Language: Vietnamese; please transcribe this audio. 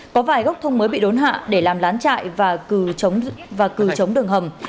có vài gốc thông mới bị đốn hạ để làm lán chạy và cừu chống đường hầm